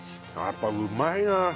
やっぱうまいな鯖。